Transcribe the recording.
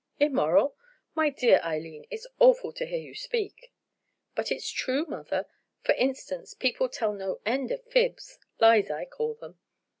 "Immoral! my dear Eileen. It's awful to hear you speak." "But it's true, mother. For instance, people tell no end of fibs—lies I call them.